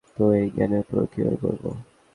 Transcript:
তো, এই জ্ঞানের প্রয়োগ কীভাবে করব?